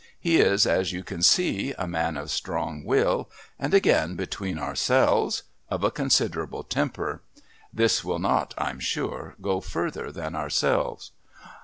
He is, as you can see, a man of strong will and, again between ourselves, of a considerable temper. This will not, I'm sure, go further than ourselves?"